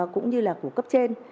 cũng như là của cấp trên